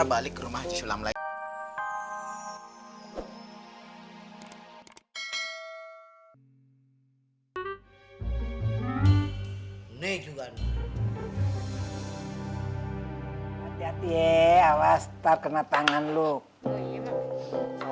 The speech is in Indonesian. hati hati ya awas tak kena tangan lo